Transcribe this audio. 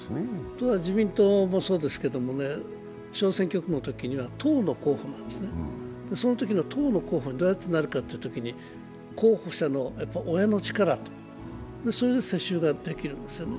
自民党もそうですけど小選挙区のときは党の候補にどうやってなるかというと候補者の親の力、それで世襲ができるんですよね。